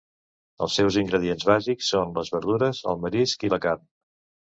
Els seus ingredients bàsics són les verdures, el marisc i la carn.